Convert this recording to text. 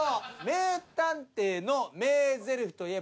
名探偵の名台詞といえば。